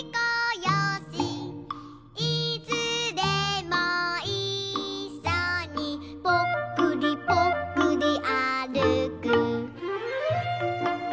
「いつでもいっしょにぽっくりぽっくりあるく」